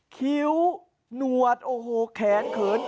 คิ้วหนวดโอ้โหแขนเขิน